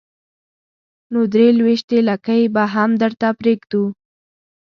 نو درې لوېشتې لکۍ به هم درته پرېږدو.